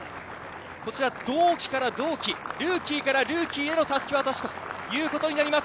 同期から同期、ルーキーからルーキーへのたすき渡しとなります。